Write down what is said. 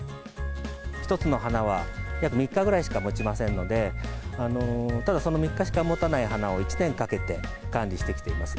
１つの花は約３日ぐらいしかもちませんので、ただ、その３日しかもたない花を１年かけて管理してきています。